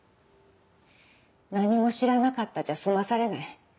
何も知らなかったじゃ済まされない。